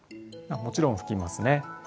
もちろん吹きますね。